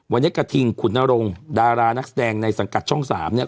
วันนี้กระทิงขุนนรงดารานักแสดงในสังกัดช่อง๓เนี่ย